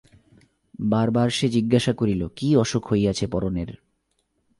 বারবার সে জিজ্ঞাসা করিল কী অসুখ হইয়াছে পরনের।